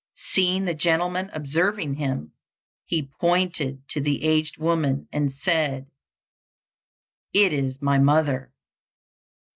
Seeing the gentleman observing him, he pointed to the aged woman and said, "It is my mother."